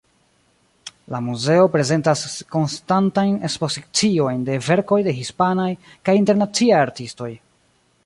La muzeo prezentas konstantajn ekspoziciojn de verkoj de hispanaj kaj internaciaj artistoj.